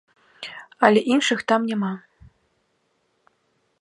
Але іншых там няма!